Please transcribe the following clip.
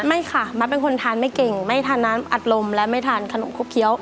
ไม่ค่ะมัดเป็นคนทานไม่เก่งไม่ทานน้ำอัดลมและไม่ทานขนมครกเคี้ยว